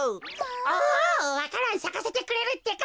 おわか蘭さかせてくれるってか。